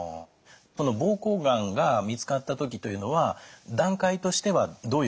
膀胱がんが見つかった時というのは段階としてはどういう段階？